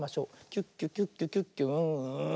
キュッキュキュッキュキュッキュウーン！